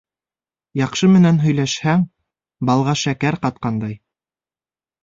Яҡшы менән һөйләшһәң, балға шәкәр ҡатҡандай